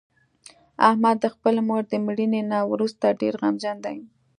احمد د خپلې مور د مړینې نه ورسته ډېر غمجن دی.